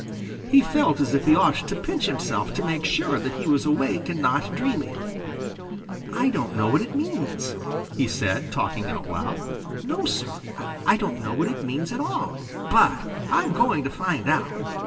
He felt as if he ought to pinch himself to make sure that he was awake and not dreaming. "I don't know what it means," said he, talking out loud. "No, Sir, I don't know what it means at all, but I'm going to find out.